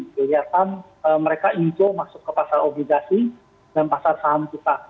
kelihatan mereka info masuk ke pasar obligasi dan pasar saham kita